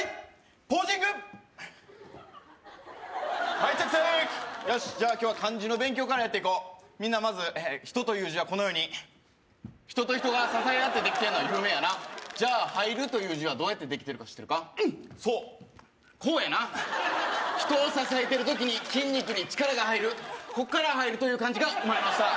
ポージングはい着席よしじゃあ今日は漢字の勉強からやっていこうみんなまず「人」という字はこのように人と人が支え合ってできてんのは有名やなじゃあ入るという字はどうやってできてるか知ってるかそうこうやな人を支えてる時に筋肉に力が入るこっから入るという漢字が生まれました